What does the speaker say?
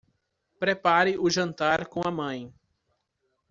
Prepare o jantar com a mãe